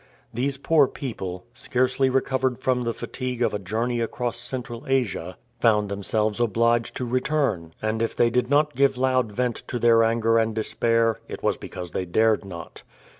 These poor people, scarcely recovered from the fatigue of a journey across Central Asia, found themselves obliged to return, and if they did not give loud vent to their anger and despair, it was because they dared not.